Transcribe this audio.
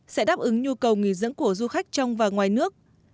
sẽ đáp ứng nhu cầu nghỉ dưỡng của du khách trong và ngoài nước